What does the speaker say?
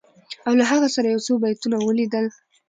او له هغه سره یو څو بیتونه ولیدل